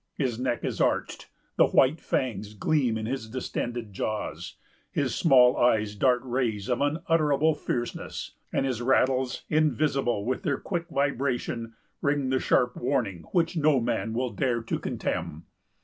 His neck is arched; the white fangs gleam in his distended jaws; his small eyes dart rays of unutterable fierceness; and his rattles, invisible with their quick vibration, ring the sharp warning which no man will dare to contemn.